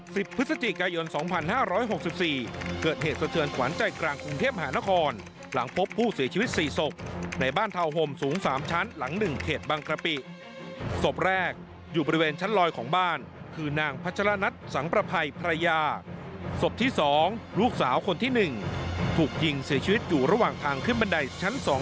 สิบพฤศจิกายนสองพันห้าร้อยหกสิบสี่เกิดเหตุสเตือนขวานใจกลางกรุงเทพฯหานครหลังพบผู้เสียชีวิตสี่ศกในบ้านที่สิบพฤศจิกายนสองพันห้าร้อยหกสิบสี่เกิดเหตุสเตือนขวานใจกลางกรุงเทพฯหานครหลังพบผู้เสียชีวิตสี่ศกในบ้านที่สิบพฤศจิกายนสองพันห้าร้อยหกสิบสี่เกิดเหตุสเตือน